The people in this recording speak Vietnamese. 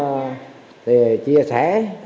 rồi có chi thì mình cũng chia sẻ